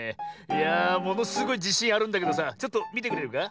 いやあものすごいじしんあるんだけどさちょっとみてくれるか？